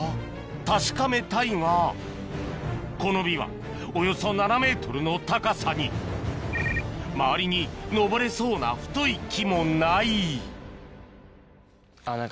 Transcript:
確かめたいがこのビワおよそ７ｍの高さに周りに登れそうな太い木もないうんうん。